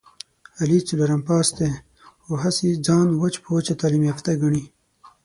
علي څلورم پاس دی، خو هسې ځان وچ په وچه تعلیم یافته ګڼي...